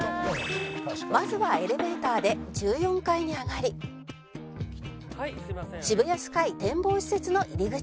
「まずはエレベーターで１４階に上がり渋谷スカイ展望施設の入り口へ」